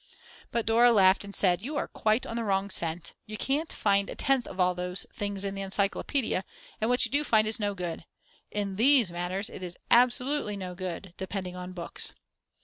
But Dora laughed and said: "You are quite on the wrong scent; you can't find a tenth of all those things in the encyclopedia, and what you do find is no good. In these matters it is absolutely no good depending on books."